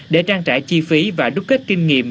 để trang trải chi phí và đúc kết kinh nghiệm